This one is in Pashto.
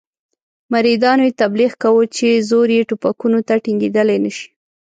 مریدانو یې تبلیغ کاوه چې زور یې ټوپکونو ته ټینګېدلای نه شي.